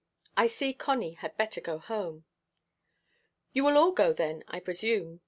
I see Connie had better go home." "You will all go, then, I presume?"